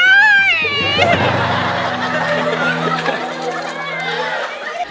ไม่